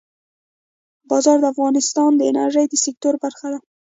باران د افغانستان د انرژۍ د سکتور برخه ده.